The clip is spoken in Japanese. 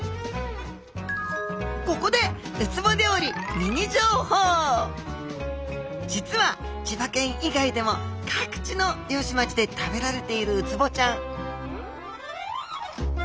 ここで実は千葉県以外でも各地の漁師町で食べられているウツボちゃん